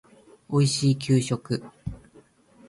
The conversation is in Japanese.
おいしい給食